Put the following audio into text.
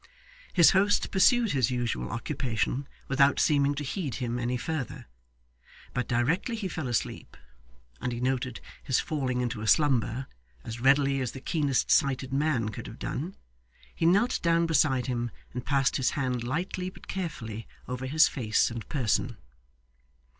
His host pursued his usual occupation without seeming to heed him any further. But directly he fell asleep and he noted his falling into a slumber, as readily as the keenest sighted man could have done he knelt down beside him, and passed his hand lightly but carefully over his face and person.